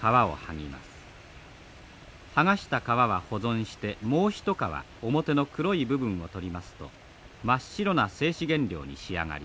剥がした皮は保存してもう一皮表の黒い部分を取りますと真っ白な製紙原料に仕上がります。